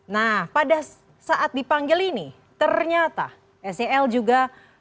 nah pada saat dipanggil ini ternyata sel juga